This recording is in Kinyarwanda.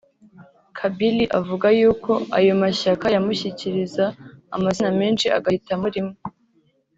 Kabila avuga yuko ayo mashyaka yamushyikiriza amazina menshi agahitamo rimwe